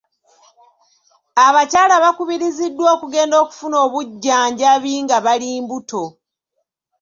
Abakyala bakubiriziddwa okugenda okufuna obujjanjabi nga bali mbuto.